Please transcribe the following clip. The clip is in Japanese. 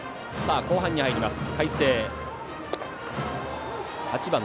後半に入ります。